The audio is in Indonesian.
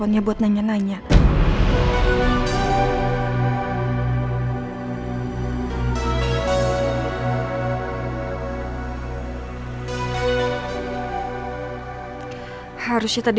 kamu harus kuat din